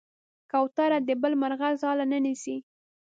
کوتره د بل مرغه ځاله نه نیسي.